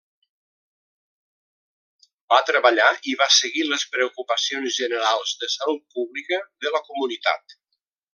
Va treballar i va seguir les preocupacions generals de salut pública de la comunitat.